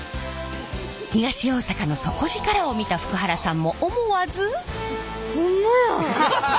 東大阪の底力を見た福原さんも思わず。